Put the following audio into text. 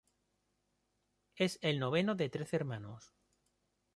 Es el noveno de trece hermanos.